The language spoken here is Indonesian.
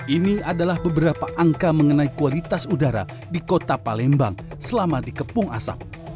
ini adalah beberapa angka mengenai kualitas udara di kota palembang selama dikepung asap